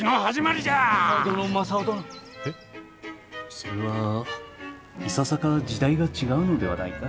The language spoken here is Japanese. それはいささか時代が違うのではないか？